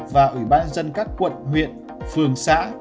và ủy ban dân các quận huyện phường xã